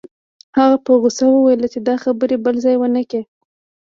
هغه په غوسه وویل چې دا خبرې بل ځای ونه کړې